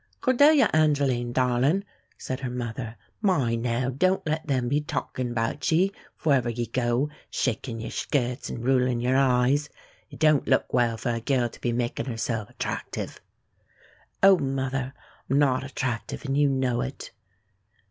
"Cordalia Angeline, darlin'," said her mother, "mind, now, doan't let them be talkin' about ye, fwherever ye go shakin' yer shkirts an' rollin' yer eyes. It doan't luk well for a gyurl to be makin' hersel' attractive." "Oh, mother, I'm not attractive, and you know it."